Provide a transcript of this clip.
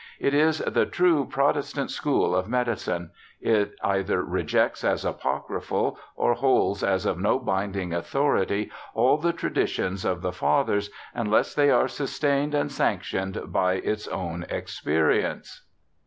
It is the true protestant school of medicine. It either rejects as apocryphal, or holds as of no binding authority, all the traditions of the fathers, unless they are sustained and sanctioned by its own experience.'